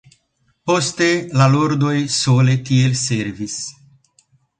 Poste, la Lordoj sole tiel servis.